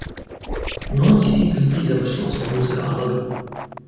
Mnoho tisíc lidí zemřelo z nouze a hladu.